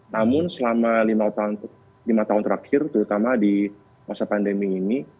namun selama lima tahun terakhir terutama di masa pandemi ini